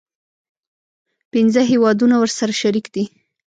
پنځه هیوادونه ورسره شریک دي.